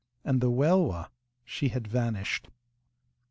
And the Welwa? She had vanished.